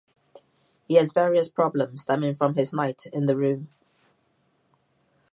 He has various problems stemming from his night in the room.